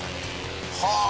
はあ！